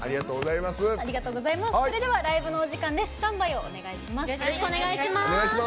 それではライブのお時間です。